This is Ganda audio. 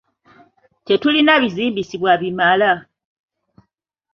Tetulina bizimbisibwa bimala .